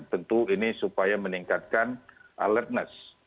tentu ini supaya meningkatkan alertness